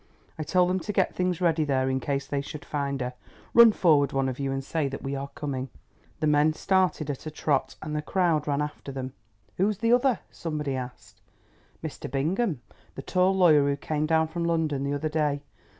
"I told them to get things ready there in case they should find her. Run forward one of you and say that we are coming." The men started at a trot and the crowd ran after them. "Who is the other?" somebody asked. "Mr. Bingham—the tall lawyer who came down from London the other day.